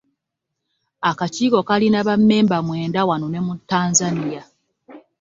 Akakiiko kalina bammemba mwenda wano ne mu Tanzania.